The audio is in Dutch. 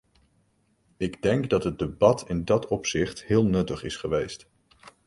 Ik denk dat het debat in dat opzicht heel nuttig is geweest.